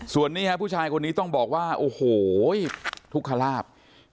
ส่วนนี้ครับผู้ชายคนนี้ต้องบอกว่าโอ้โหทุกขลาบ